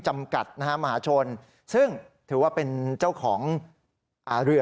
จำกัดนะฮะมหาชนซึ่งถือว่าเป็นเจ้าของเรือ